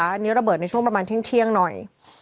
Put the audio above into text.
อันนี้ระเบิดในช่วงประมาณเที่ยงหน่อย